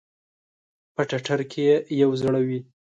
په ټټر کې ئې یو زړه وی